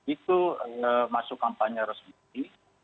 itu masuk kampanye resmi